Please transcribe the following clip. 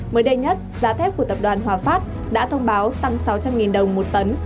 mới đây nhất giá thép của tập đoàn hòa phát đã thông báo tăng sáu trăm linh đồng một tấn